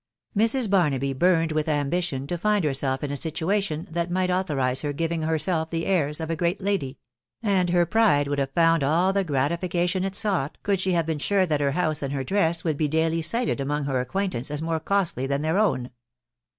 Mrs. Bsrnaby burned with .ambition to find herself 'in a situation that might authorise her giving herself the airs of a great lady ; and her pride would have found all the gratification it sought, could she have been 'Bture that her house and her tiress would be daily cited among her .acquaintance as more costly than their own.